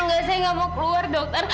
enggak saya nggak mau keluar dokter